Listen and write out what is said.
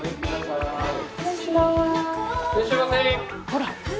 ほら。